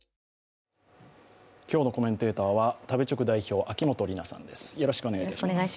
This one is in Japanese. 今日のコメンテーターは食べチョク代表、秋元里奈さんです